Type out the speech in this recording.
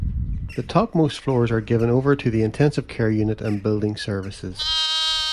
The topmost floors are given over to the Intensive Care Unit and building services.